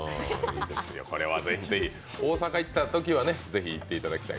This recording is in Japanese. これは大阪に行ったときはぜひ食べていただきたい。